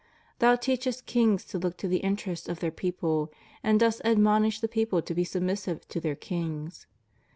Thou teachest kings to look to the interests of their people, and dost admonish the people to be submissive to their kings.